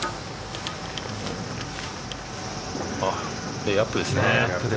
レイアップですね。